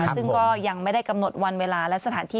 ซึ่งก็ยังไม่ได้กำหนดวันเวลาและสถานที่